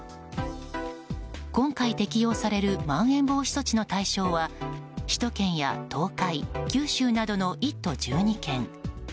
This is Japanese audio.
今回適用されるまん延防止措置の対象は首都圏や東海、九州などの１都１２県。